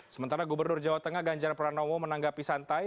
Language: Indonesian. sementara gubernur jawa tengah ganjar pranowo menanggapi santai